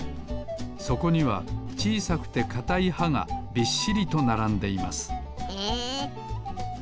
そこにはちいさくてかたいはがびっしりとならんでいますへえ！